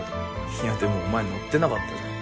いやでもお前乗ってなかったじゃん。